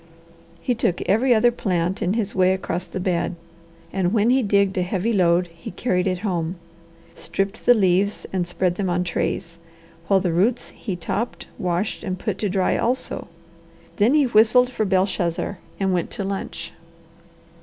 He took every other plant in his way across the bed, and when he digged a heavy load he carried it home, stripped the leaves, and spread them on trays, while the roots he topped, washed, and put to dry also. Then he whistled for Belshazzar and went to lunch.